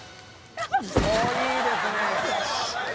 「おおいいですね」